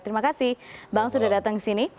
terima kasih bang sudah datang kesini